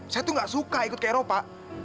saya tuh gak suka ikut ke eropa